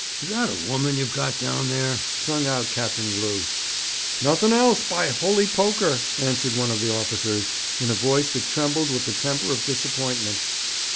'Is that a woman you've got down there?' sung out Captain Glew. 'Nothing else, by the holy poker!' answered one of the officers, in a voice that trembled with the temper of disappointment.